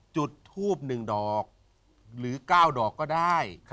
จุดทูบ๑ดอกหรือ๙ดอกก็ได้